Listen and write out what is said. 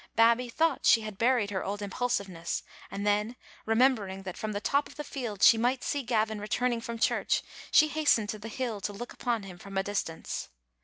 Babbie thought she had buried her old impulsiveness, and then remembering that from the top of the field she might see Gavin re turning from church, she hastened to the hill to look upon him from a distance.